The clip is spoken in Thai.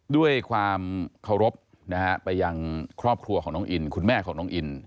ด้วยความเคารพนะฮะไปยังครอบครัวของน้องอินคุณแม่ของน้องอิน